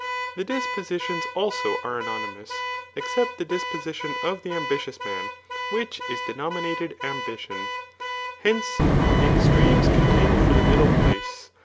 The dispositions also are anonymous, except the disposition of the ambitious man, which is denominated ambition, Mence, the ex tremes contend for the middle place.